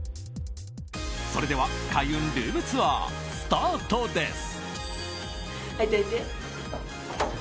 それでは、開運ルームツアースタートです！